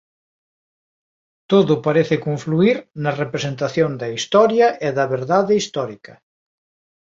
Todo parece confluír na representación da Historia e da Verdade histórica.